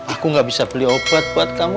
aku gak bisa beli obat buat kamu